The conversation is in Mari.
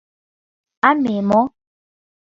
А ме мо?